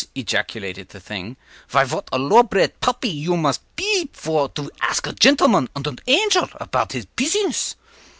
” ejaculated the thing, “vy vat a low bred buppy you mos pe vor to ask a gentleman und an angel apout his pizziness!